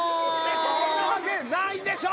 そんなわけないでしょ！